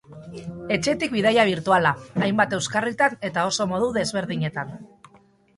Etxetik bidaia birtuala, hainbat euskarritan eta oso modu desberdinetan.